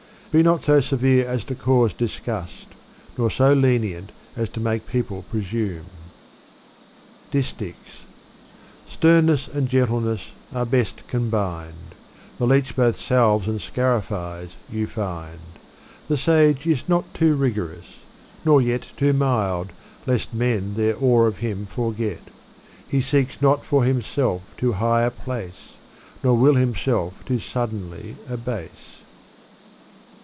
Be not so severe as to cause disgust^ nor bo lenient as to make people presume. Sternness and gentleness are best combined : The leech both salves and scarifies, you find*. The sage is not too rigorous, nor yet Too mild, lest men their awe of him forget : He seeks not for himself too high a place \ Nor wiU himself too suddenly abase.